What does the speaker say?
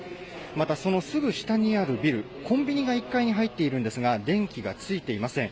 またそのすぐ下にあるビル、コンビニが１階に入っているんですが、電気がついていません。